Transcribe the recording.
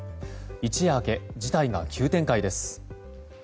一夜明け、事態が急展開です。